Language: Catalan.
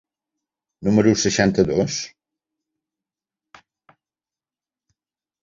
número seixanta-dos?